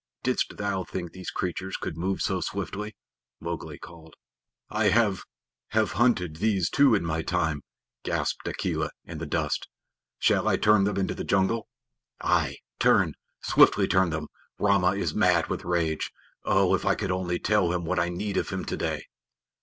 Didst thou think these creatures could move so swiftly?" Mowgli called. "I have have hunted these too in my time," gasped Akela in the dust. "Shall I turn them into the jungle?" "Ay! Turn. Swiftly turn them! Rama is mad with rage. Oh, if I could only tell him what I need of him to day."